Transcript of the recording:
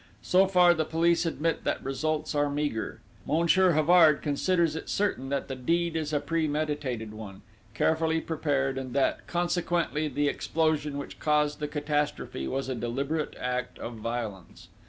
So far, the police admit that results are meagre. Monsieur Havard considers it certain that the deed is a premeditated one, carefully prepared, and that, consequently, the explosion which caused the catastrophe was a deliberate act of violence.